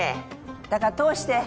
だから通して。